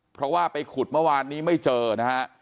เพราะว่าไปขุดเมื่อวานนี้ไม่เจอนะฮะ